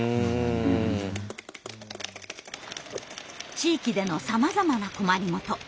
地域でのさまざまな困りごと。